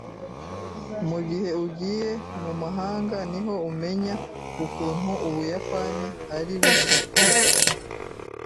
Mugihe ugiye mumahanga niho umenya ukuntu Ubuyapani ari buto.